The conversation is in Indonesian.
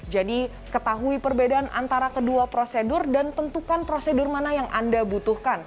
jadi ketahui perbedaan antara kedua prosedur dan tentukan prosedur mana yang anda butuhkan